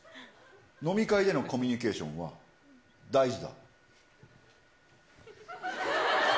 飲み会でのコミュニケーションは、大事だ。